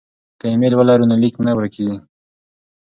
که ایمیل ولرو نو لیک نه ورکيږي.